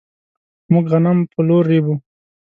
موږ غنم په لور ريبو.